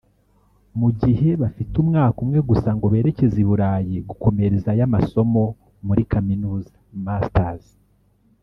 Mu gihe bafite umwaka umwe gusa ngo berekeze i Burayi gukomerezayo amasomo muri Kaminuza(masters)